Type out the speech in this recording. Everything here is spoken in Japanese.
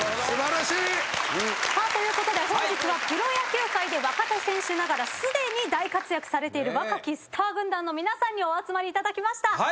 素晴らしい！ということで本日はプロ野球界で若手選手ながらすでに大活躍されている若きスター軍団の皆さんにお集まりいただきました。